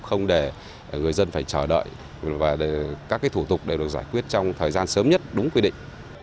không để người dân phải chờ đợi và các thủ tục để được giải quyết trong thời gian sớm nhất đúng quy định